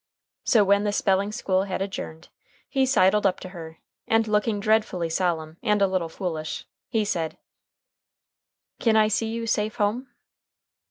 So, when the spelling school had adjourned, he sidled up to her, and, looking dreadfully solemn and a little foolish, he said: "Kin I see you safe home?"